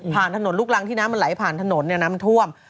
ผ่านถนนลูกรังที่น้ำไหลผ่านถนนเนี่ยน้ำมันท่วม